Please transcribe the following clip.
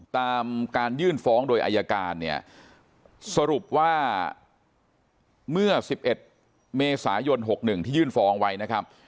ตามการยื่นฟ้องโดยอายการเนี่ยสรุปว่าเมื่อ๑๑เมษายน๖๑ที่ยื่นฟ้องไว้นะครับ